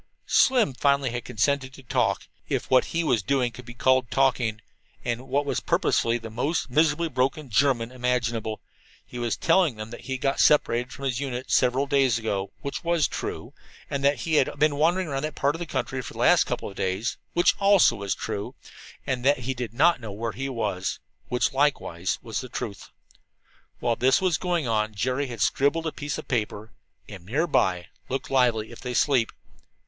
Slim finally had consented to talk if what he was doing could be called talking. And in what was purposely the most miserably broken German imaginable, he was telling them that he got separated from his unit several days ago (which was true), and that he had been wandering about that part of the country for the last couple of days (which also was true), and that he did not know where he was (which likewise was the truth). While this was going on Jerry had scribbled upon a piece of paper: "Am near. Look lively if they sleep."